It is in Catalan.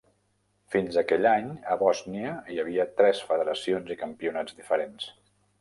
Fins aquell any, a Bòsnia hi havia tres federacions i campionats diferents.